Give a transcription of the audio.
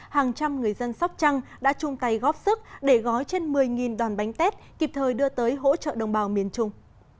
hàng trăm người dân sóc trăng đã chung tay góp sức để gói trên một mươi đòn bánh tết kịp thời đưa tới hỗ trợ đồng bào miền trung